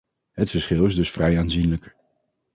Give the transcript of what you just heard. Het verschil is dus vrij aanzienlijk.